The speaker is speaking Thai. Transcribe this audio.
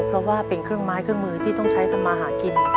เพราะว่าเป็นเครื่องไม้เครื่องมือที่ต้องใช้ทำมาหากิน